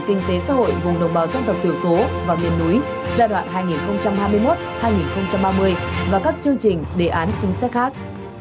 mục tiêu quốc gia phát triển kinh tế xã hội gồm đồng bào dân tộc thiểu số và miền núi giai đoạn hai nghìn hai mươi một hai nghìn ba mươi và các chương trình đề án chính sách khác